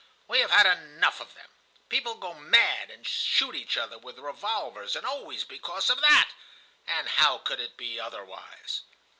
We have had enough of them. People go mad, and shoot each other with revolvers, and always because of that! And how could it be otherwise?